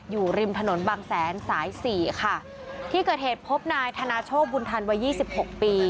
อยู่ริมถนนบางแสนสายสี่ค่ะที่เกิดเหตุพบนายธนาโชคบุญธันวัยยี่สิบหกปี